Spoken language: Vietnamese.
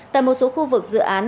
tại một số khu vực dự án